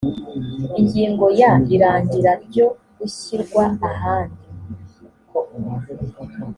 ingingo ya irangira ryo gushyirwa ahandi